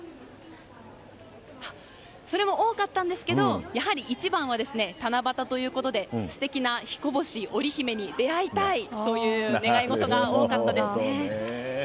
それも多かったんですけどやはり一番は七夕ということで素敵な彦星・織姫に出会いたいという願い事が多かったですね。